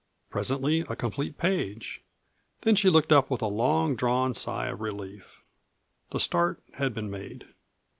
Presently a complete page. Then she looked up with a long drawn sigh of relief. The start had been made.